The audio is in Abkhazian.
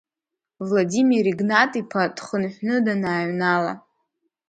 Владимир Игнат-иԥа дхынҳәны данааҩнала.